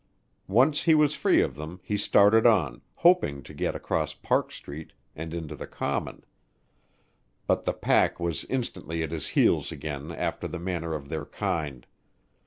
Once he was free of them, he started on, hoping to get across Park Street and into the Common. But the pack was instantly at his heels again after the manner of their kind.